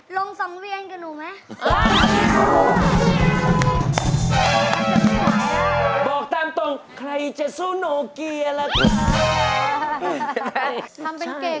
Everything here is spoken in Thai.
ลงสังเวียนกับหนูไหม